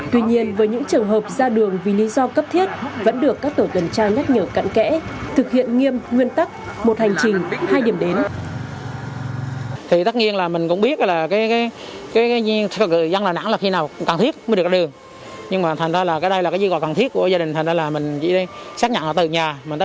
tuy nhiên với những trường hợp ra đường vì lý do cấp thiết vẫn được các tổ tuần tra nhắc nhở cận kẽ thực hiện nghiêm nguyên tắc một hành trình hai điểm đến